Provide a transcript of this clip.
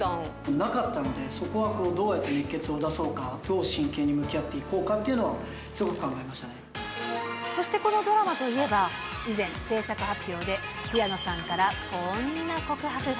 なかったので、そこはこう、どうやって熱血を出そうか、どう真剣に向き合っていこうかとそしてこのドラマといえば、以前、制作発表で平野さんから、こんな告白が。